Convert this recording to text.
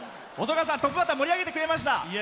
トップバッター盛り上げてくれました。